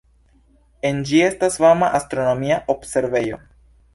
En ĝi estas fama astronomia observejo.